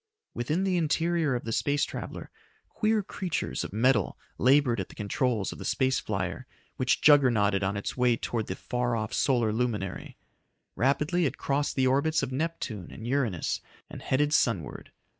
Within the interior of the space traveler, queer creatures of metal labored at the controls of the space flyer which juggernauted on its way towards the far off solar luminary. Rapidly it crossed the orbits of Neptune and Uranus and headed sunward.